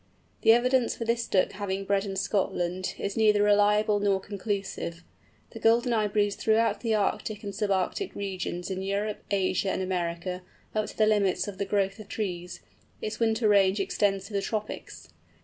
The evidence for this Duck having bred in Scotland, is neither reliable nor conclusive. The Golden eye breeds throughout the Arctic and sub Arctic regions of Europe, Asia, and America, up to the limits of the growth of trees: its winter range extends to the tropics.